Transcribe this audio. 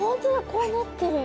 こうなってる。